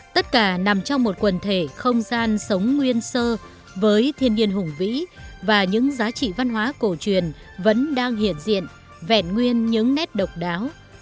tất cả nằm trong một quần thể không gian sống nguyên sơ với thiên nhiên hùng vĩ và những giá trị văn hóa cổ truyền vẫn đang hiện diện vẹn nguyên những nét độc đáo